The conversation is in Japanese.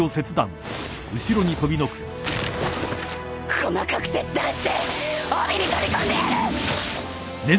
細かく切断して帯に取り込んでやる！